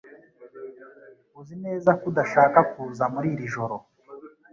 Uzi neza ko udashaka kuza muri iri joro